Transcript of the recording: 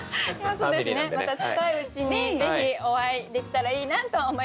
そうですねまた近いうちにぜひお会いできたらいいなと思います。